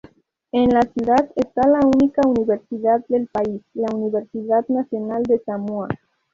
En la ciudad está la única universidad del país, la Universidad Nacional de Samoa.